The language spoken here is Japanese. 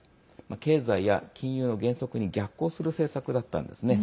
経済や金融の原則に逆行する政策だったんですね。